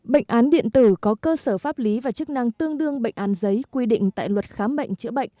bệnh án điện tử có cơ sở pháp lý và chức năng tương đương bệnh án giấy quy định tại luật khám bệnh chữa bệnh